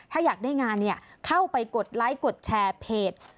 ถ้าอยากได้งานเข้าไปกดไลค์กดแชร์เพจ